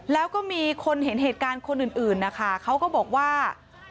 แล้วก็มีคนเห็นเหตุการณ์คนอื่นนะคะเขาก็บอกว่า